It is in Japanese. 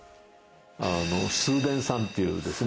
崇伝さんっていうですね。